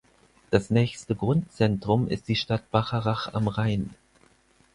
Das nächste Grundzentrum ist die Stadt Bacharach am Rhein.